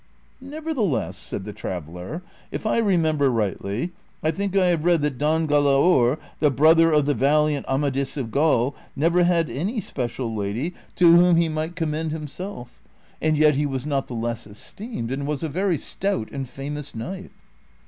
" Nevertheless," said the traveller, ''' if I remember rightly, I think I have read that Don Galaor, the brother of the val iant Amadis of Gaul, never had any special lady to Avhom he Vol. I.— 6 82 DON QUIXOTE. might commend himself, and yet he was not the less esteemed, and was a very stout and famous knight."